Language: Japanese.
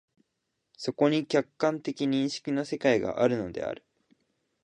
そこに客観的認識の世界があるのである。